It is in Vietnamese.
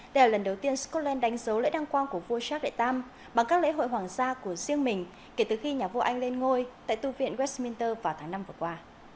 đây là lần đầu tiên scotland đánh dấu lễ đăng quang của vua sát đại tam bằng các lễ hội hoàng gia của riêng mình kể từ khi nhà vua anh lên ngôi tại tu viện westminster vào tháng năm vừa qua